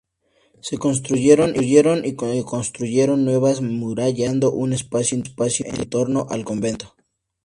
Se construyeron y reconstruyeron nuevas murallas generando un espacio interior en torno al convento.